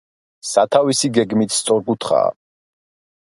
სათავსი გეგმით სწორკუთხაა.